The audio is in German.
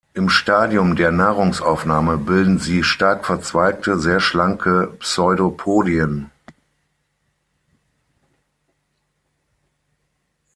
Im Stadium der Nahrungsaufnahme bilden sie stark verzweigte, sehr schlanke Pseudopodien.